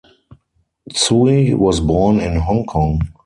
Tsui was born in Hong Kong.